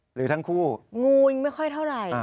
หรือทั้งคู่งูยังไม่ค่อยเท่าไหร่